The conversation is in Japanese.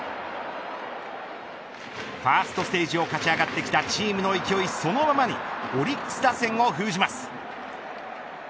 ファーストステージを勝ち上がってきたチームの勢いそのままにオリックス打線を封じます。